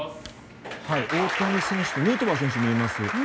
大谷選手とヌートバー選手が見えます。